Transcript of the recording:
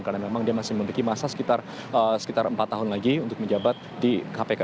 karena memang dia masih memiliki masa sekitar empat tahun lagi untuk menjabat di kpk